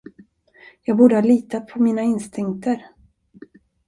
Jag borde ha litat på mina instinkter.